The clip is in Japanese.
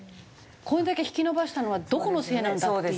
これだけ引き延ばしたのはどこのせいなんだっていう。